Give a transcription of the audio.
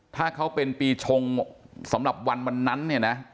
ถ้าเขาเป็นปีชงสำหรับวันวันนั้นเนี่ยนะ